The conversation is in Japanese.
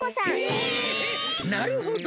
なるほど。